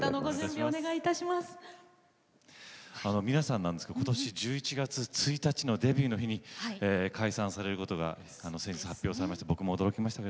皆さんことし１１月１日のデビューの日に解散されることを先日、発表されまして僕も驚きました。